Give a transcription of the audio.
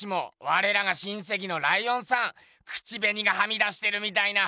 われらが親せきのライオンさん口べにがはみ出してるみたいな。